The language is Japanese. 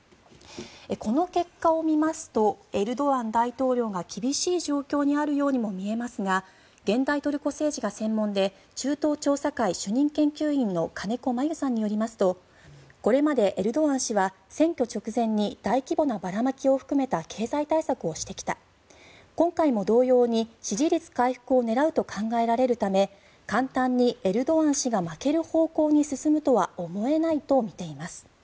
この結果を見ますとエルドアン大統領が厳しい状況にあるように見えますが現代トルコ政治が専門で中東調査会主任研究員の金子真夕さんによりますとこれまでエルドアン氏は選挙直前に大規模なばらまきを含めた経済対策をしてきた今回も同様に支持率回復を狙うと考えられるため簡単にエルドアン氏が負ける方向に進むとは思えないとみています。